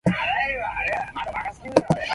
They think that this is not trash.